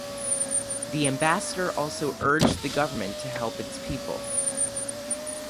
The ambassador also urged the government to help its people.